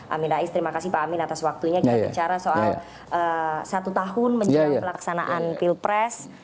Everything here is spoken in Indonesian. amin rais terima kasih pak amin atas waktunya kita bicara soal satu tahun menjelang pelaksanaan pilpres